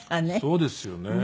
そうですよね。